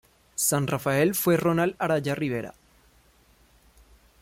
San Rafael fue Ronald Araya Rivera.